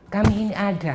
kami ini ada